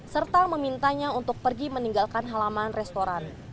serta memintanya untuk pergi meninggalkan halaman restoran